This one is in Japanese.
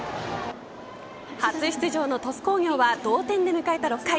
初出場の鳥栖工業は同点で迎えた６回。